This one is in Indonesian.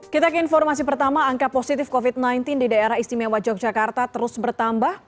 kita ke informasi pertama angka positif covid sembilan belas di daerah istimewa yogyakarta terus bertambah